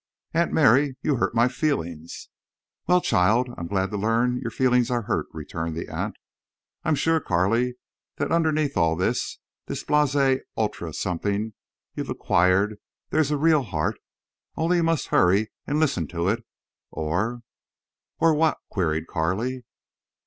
"Aunt Mary, you hurt my feelings." "Well, child, I'm glad to learn your feelings are hurt," returned the aunt. "I'm sure, Carley, that underneath all this—this blasé ultra something you've acquired, there's a real heart. Only you must hurry and listen to it—or—" "Or what?" queried Carley.